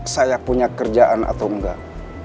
saya punya kerjaan atau enggak